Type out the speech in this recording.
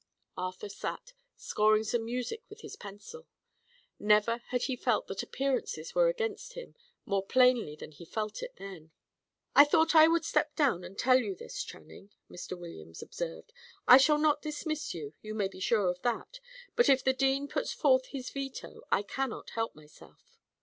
Arthur sat, scoring some music with his pencil. Never had he felt that appearances were against him more plainly than he felt it then. "I thought I would step down and tell you this, Channing," Mr. Williams observed. "I shall not dismiss you, you may be sure of that; but, if the dean puts forth his veto, I cannot help myself.